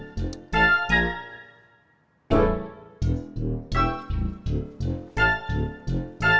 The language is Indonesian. saya merasa takties juga weten what to do